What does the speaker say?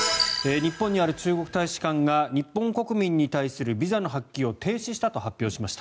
日本にある中国大使館が日本国民に対するビザの発給を停止したと発表しました。